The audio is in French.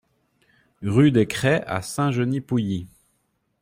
Rue des Crêts à Saint-Genis-Pouilly